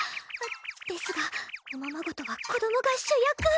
ですがおままごとは子供が主役